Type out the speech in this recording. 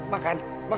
makan makan makan